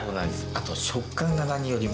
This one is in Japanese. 食感が何よりも。